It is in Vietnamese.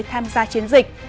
tham gia chiến dịch